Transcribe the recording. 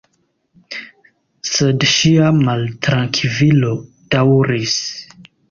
Sed ŝia maltrankvilo daŭris.